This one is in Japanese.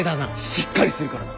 しっかりするからな。